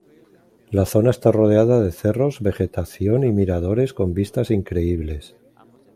La zona está rodeada de cerros, vegetación y miradores con vistas increíbles.